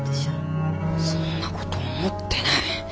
そんなこと思ってない。